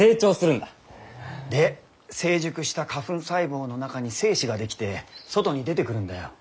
で成熟した花粉細胞の中に精子が出来て外に出てくるんだよ。